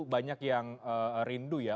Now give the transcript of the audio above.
banyak yang rindu ya